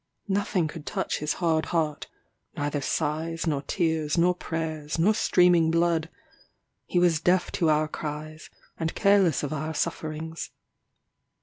Nothing could touch his hard heart neither sighs, nor tears, nor prayers, nor streaming blood; he was deaf to our cries, and careless of our sufferings.